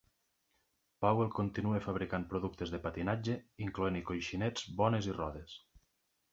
Powell continua fabricant productes de patinatge, incloent-hi coixinets Bones i rodes.